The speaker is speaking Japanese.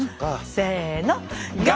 せの！